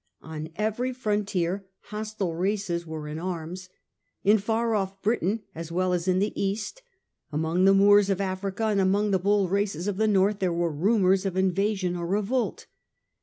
His modc On every frontier hostile races were in arms ; in far off Britain as well as in the East, among peace the Moors of Africa and among the bold races of the north there were rumours of invasion or revolt.